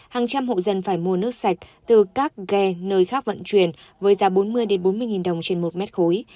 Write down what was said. hàng trăm hộ dân phải mua nước sạch từ các ghe nơi khác vận chuyển với giá bốn mươi bốn mươi đồng trên một mét khối